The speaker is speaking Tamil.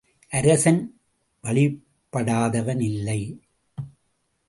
அரசன் வழிப்படாதவன் இல்லை.